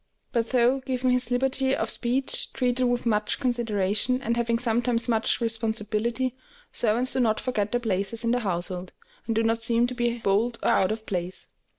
But though given this liberty of speech, treated with much consideration, and having sometimes much responsibility, servants do not forget their places in the household, and do not seem to be bold or out of place.